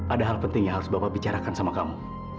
ada hal penting yang harus bapak bicarakan sama kamu